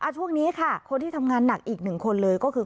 ช่วงนี้คนที่ทำงานนักหนึ่งคนก็คือ